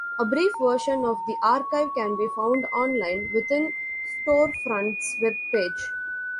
A brief version of the archive can be found on-line within Storefront's webpage.